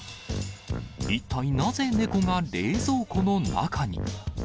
一体なぜ、猫が冷蔵庫の中に？